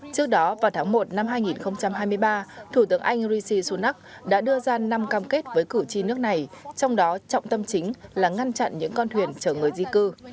trước đó vào tháng một năm hai nghìn hai mươi ba thủ tướng anh rishi sunak đã đưa ra năm cam kết với cử tri nước này trong đó trọng tâm chính là ngăn chặn những con thuyền chở người di cư